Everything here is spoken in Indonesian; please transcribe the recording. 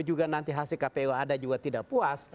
juga nanti hasil kpu ada juga tidak puas